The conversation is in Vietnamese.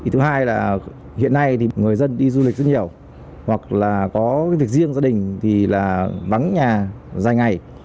thứ hai là hiện nay người dân đi du lịch rất nhiều hoặc là có việc riêng gia đình thì bắn nhà dài ngày